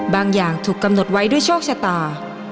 บางอย่างถูกกำหนดไว้ด้วยโชคชะตา